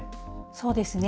そうですね。